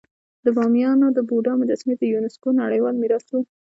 د بامیانو د بودا مجسمې د یونسکو نړیوال میراث وو